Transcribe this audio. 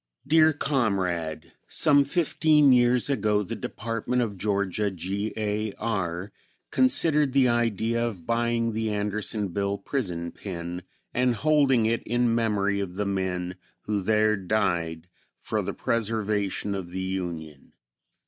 Dear Comrade: Some fifteen years ago the Department of Georgia, G. A. R., considered the idea of buying the Andersonville prison pen and holding it in memory of the men who there died for the preservation of the Union.